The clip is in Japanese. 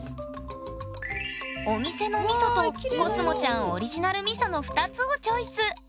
お店のみそとこすもちゃんオリジナルみその２つをチョイス